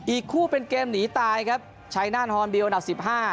อีกคู่เป็นเกมหนีตายครับชัยนานฮอนบิวอันดับ๑๕